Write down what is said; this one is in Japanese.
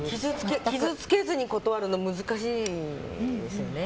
傷つけずに断るの難しいですよね。